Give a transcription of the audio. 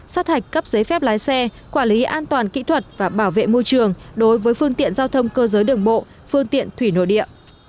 sát hạch cấp giấy phép lái xe quản lý an toàn kỹ thuật và bảo vệ môi trường đối với phương tiện giao thông cơ giới đường bộ phương tiện thủy nội địa